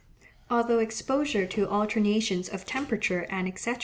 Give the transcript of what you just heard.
Although exposure to alternations of temperature, &c.